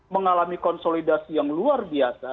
mengalami konsolidasi yang luar biasa